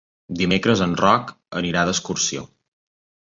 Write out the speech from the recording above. Dimecres en Roc irà d'excursió.